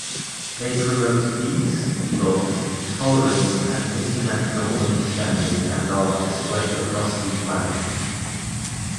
They promote peace, love, tolerance and international understanding and are displayed across the planet.